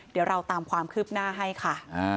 เดี๋ยวเราตามความคืบหน้าให้ค่ะ